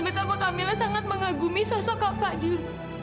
betapa kamila sangat mengagumi sosok kak fadil